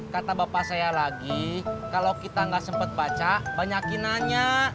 kata bapak saya lagi kalau kita gak sempet baca banyakin nanya